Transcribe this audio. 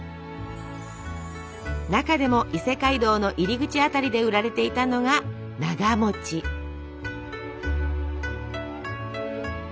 中でも伊勢街道の入り口辺りで売られていたのがなが。